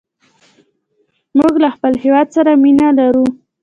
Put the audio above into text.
موږ له خپل هېواد سره مینه لرو.